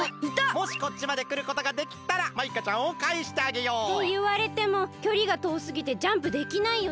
もしこっちまでくることができたらマイカちゃんをかえしてあげよう。っていわれてもきょりがとおすぎてジャンプできないよね？